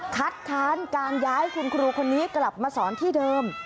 คัดค้านการย้ายคุณครูคนนี้กลับมาสอนที่เดิม